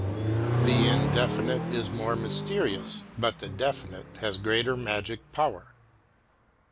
The Indefinite is more mysterious, but the Definite has greater magic power.